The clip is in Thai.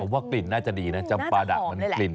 เพราะว่ากลิ่นน่าจะดีนะจำปาดะมันกลิ่นอยู่แล้ว